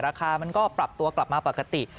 ราคามันก็ปรับตัวกลับมาปกติ